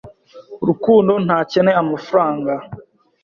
Rukundo ntakeneye amafaranga.